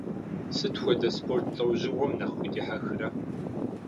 Сыт хуэдэ спорт лӏэужьыгъуэм нэхъ удихьэхрэ?